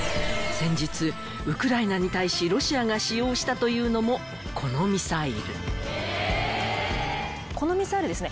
先日ウクライナに対しロシアが使用したというのもこのミサイル